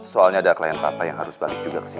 soalnya ada klien bapak yang harus balik juga ke sini